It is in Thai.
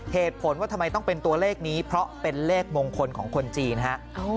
เหตุผลว่าทำไมต้องเป็นตัวเลขนี้เพราะเป็นเลขมงคลของคนจีนฮะ